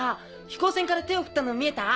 飛行船から手を振ったの見えた？